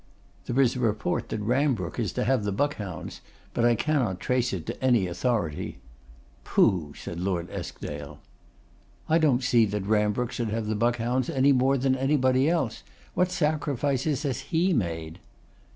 'There is a report that Rambrooke is to have the Buck hounds; but I cannot trace it to any authority.' 'Pooh!' said Lord Eskdale. 'I don't see that Rambrooke should have the Buckhounds any more than anybody else. What sacrifices has he made?